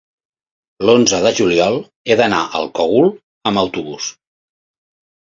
l'onze de juliol he d'anar al Cogul amb autobús.